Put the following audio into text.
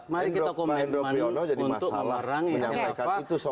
mari kita komen untuk mengurangi khilafah